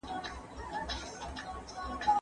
هغه د تاريخ په يو پېچلي پړاو کې واک ته ورسېد.